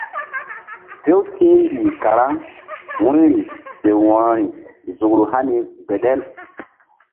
Few ti̧h mbih karaŋ wu̧yri ke wo̧rori nzukru hani gbeɗel.